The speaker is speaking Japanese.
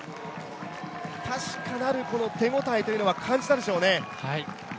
確かなる手応えというのは感じたでしょうね。